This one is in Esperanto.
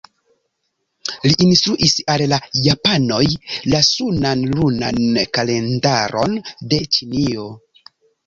Li instruis al la japanoj la sunan-lunan kalendaron de Ĉinio.